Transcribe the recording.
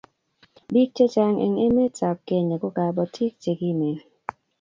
biik chechang eng kenya ko kabotit chekimen